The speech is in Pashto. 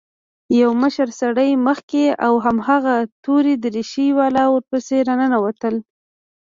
يو مشر سړى مخکې او هماغه تورې دريشۍ والا ورپسې راننوتل.